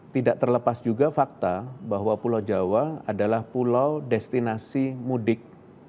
tidak terlepas juga fakta bahwa pulau jawa adalah pulau destinasi mudik